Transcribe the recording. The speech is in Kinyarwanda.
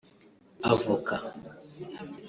avoka